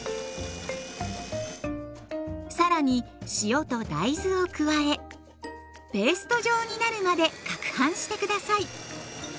更に塩と大豆を加えペースト状になるまでかくはんして下さい。